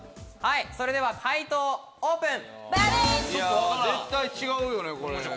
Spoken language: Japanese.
それでは回答オープン。